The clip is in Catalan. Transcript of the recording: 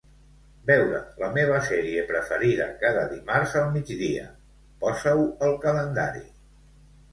Veure la meva sèrie preferida cada dimarts al migdia, posa-ho al calendari.